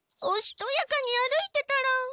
おしとやかに歩いてたら。